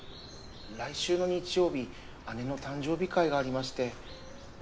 来週の日曜日姉の誕生日会がありまして